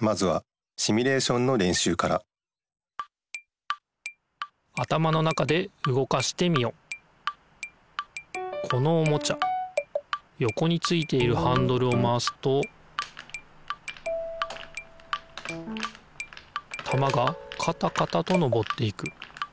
まずはシミュレーションのれんしゅうからこのおもちゃよこについているハンドルをまわすとたまがカタカタとのぼっていく。